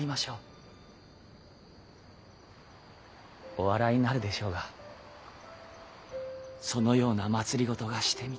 お笑いになるでしょうがそのような政がしてみたい。